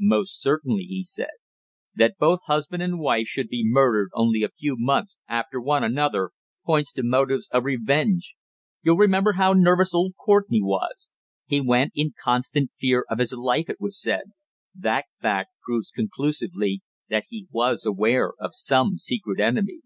"Most certainly," he said. "That both husband and wife should be murdered only a few months after one another points to motives of revenge. You'll remember how nervous old Courtenay was. He went in constant fear of his life, it was said. That fact proves conclusively that he was aware of some secret enemy."